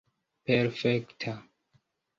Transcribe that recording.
perfekta